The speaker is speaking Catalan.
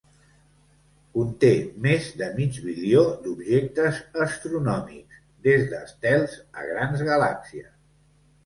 Conté més de mig bilió d'objectes astronòmics, des d'estels a grans galàxies.